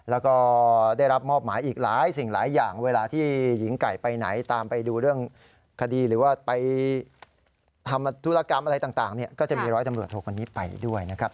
แล้วก็ได้รับมอบหมายอีกหลายสิ่งหลายอย่างเวลาที่หญิงไก่ไปไหนตามไปดูเรื่องคดีหรือว่าไปทำธุรกรรมอะไรต่างก็จะมีร้อยตำรวจโทคนนี้ไปด้วยนะครับ